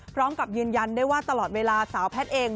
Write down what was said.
พร้อมกับยืนยันได้ว่าตลอดเวลาสาวแพทย์เอง